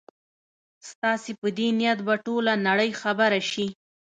ستاسي په دې نیت به ټوله نړۍ خبره شي.